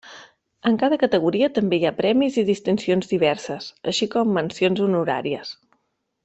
En cada categoria també hi ha premis i distincions diverses, així com mencions honoràries.